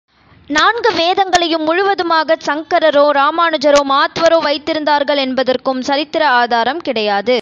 நான்கு வேதங்களையும் முழுவதுமாகச் சங்கரரோ, இராமானுஜரோ, மாத்வரோ வைத்திருந்தார்களென்பதற்கும் சரித்திர ஆதாரம் கிடையாது.